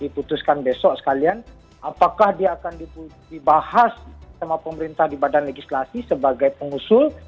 diputuskan besok sekalian apakah dia akan dibahas sama pemerintah di badan legislasi sebagai pengusul